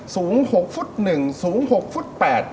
สูง๖ฟุตหนึ่งสูง๖ฟุต๘